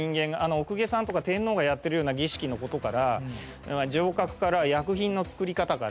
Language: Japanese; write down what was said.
お公家さんとか天皇がやっているような儀式の事から城郭から薬品の作り方から。